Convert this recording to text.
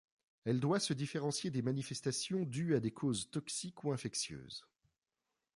Elle doit se différencier des manifestations dues à des causes toxiques ou infectieuses.